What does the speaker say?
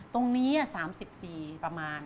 ตรงนี้๓๐ปีประมาณ